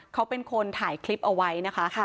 เขาเป็นคนถ่ายคลิปเอาไว้นะคะ